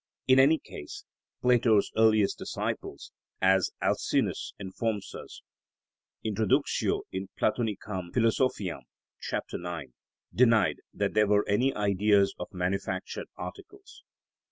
In any case, Plato's earliest disciples, as Alcinous informs us (_Introductio __ in Platonicam Philosophiam_, chap. 9), denied that there were any ideas of manufactured articles.